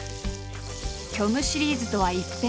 虚無シリーズとは一変。